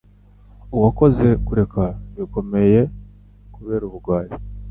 uwakoze kureka bikomeye kubera ubugwari